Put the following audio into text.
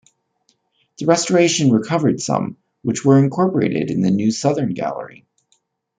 The restoration recovered some, which were incorporated in the new southern gallery.